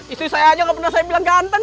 istri saya aja gak pernah bilang ganteng